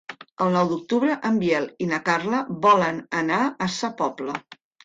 El nou d'octubre en Biel i na Carla volen anar a Sa Pobla.